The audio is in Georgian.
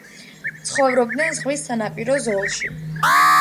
ცხოვრობდნენ ზღვის სანაპირო ზოლში.